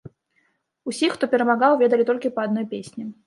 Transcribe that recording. Усіх, хто перамагаў, ведалі толькі па адной песні.